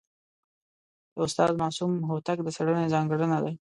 د استاد معصوم هوتک د څېړني ځانګړنه ده.